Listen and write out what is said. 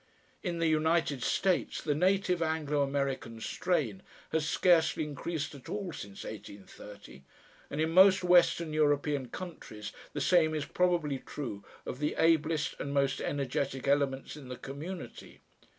In the United States the native Anglo American strain has scarcely increased at all since 1830, and in most Western European countries the same is probably true of the ablest and most energetic elements in the community.